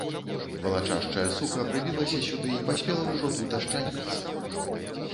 Валачашчая сука прыбілася сюды і паспела ўжо тут ашчаніцца.